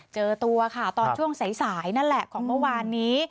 เจอตัวค่ะตอนช่วงสายนั่นแหละของเมื่อวานนี้